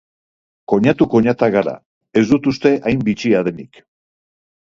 Koinatu-koinatak gara, ez dut uste hain bitxia denik.